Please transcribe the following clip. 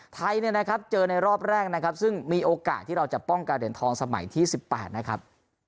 ไทยเนี่ยนะครับเจอในรอบแรกนะครับซึ่งมีโอกาสที่เราจะป้องกันเหรียญทองสมัยที่๑๘นะครับ